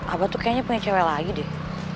abah tuh kayaknya punya cewek lagi deh